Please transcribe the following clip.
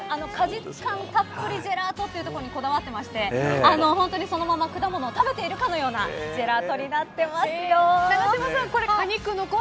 果実感たっぷりジェラートというところにこだわってまして本当にそのまま果物を食べているかのようなジェラートになっています。